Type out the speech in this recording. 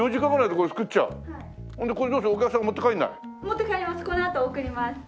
このあと送ります。